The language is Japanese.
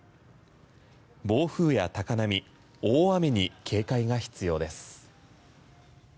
暴風や高波大雨に警戒が必要です。